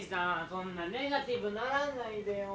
そんなネガティブならないでよ